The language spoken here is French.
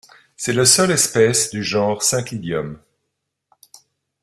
C'est la seule espèce du genre Cinclidium.